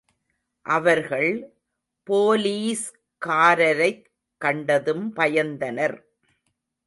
அவர்கள் போலீஸ்காரரைக் கண்டதும் பயந்தனர்.